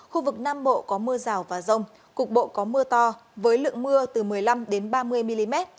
khu vực nam bộ có mưa rào và rông cục bộ có mưa to với lượng mưa từ một mươi năm ba mươi mm